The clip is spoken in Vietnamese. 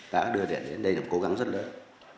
đã đưa điện đến đây là một cố gắng rất lớn